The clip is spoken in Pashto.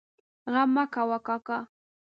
غم مه کوه کاکا!